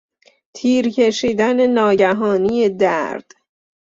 تیر کشیدن ناگهانی درد